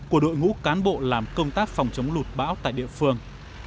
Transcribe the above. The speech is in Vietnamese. của đội ngũ cán bộ làm công tác phòng chống lụt bão tại địa phương